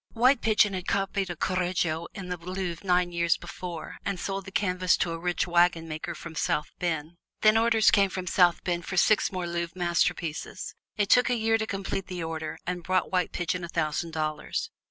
White Pigeon had copied a Correggio in the Louvre nine years before, and sold the canvas to a rich wagon maker from South Bend. Then orders came from South Bend for six more Louvre masterpieces. It took a year to complete the order and brought White Pigeon a thousand dollars.